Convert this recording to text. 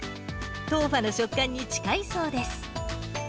トウファの食感に近いそうです。